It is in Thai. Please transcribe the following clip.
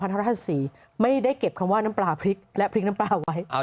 ไม่ได้เก็บคำว่าน้ำปลาพริกและพริกน้ำปลาไว้